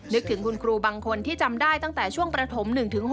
นึกถึงคุณครูบางคนที่จำได้ตั้งแต่ช่วงประถม๑๖